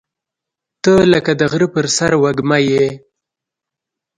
• ته لکه د غره پر سر وږمه یې.